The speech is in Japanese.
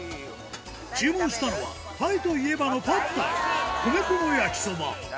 注文したのは、タイといえばのパッタイ、米粉の焼きそば。